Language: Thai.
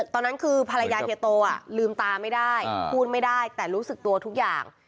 ตอนนั้นคือภรรยาเฮียโตลืมตาไม่ได้พูดไม่ได้แต่รู้สึกตัวทุกอย่าง